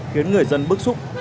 khiến người dân bức xúc